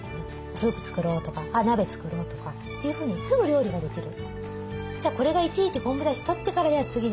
スープ作ろうとか鍋作ろうとかというふうにすぐ料理ができる。